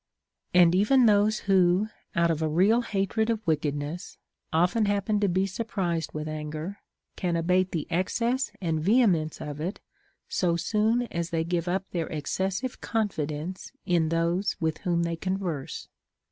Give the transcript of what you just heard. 16. And even those who, out of a real hatred of wicked ness, often happen to be surprised with anger, can abate the excess and vehemence of it so soon as they give up their excessive confidence in those with Avhom they con verse.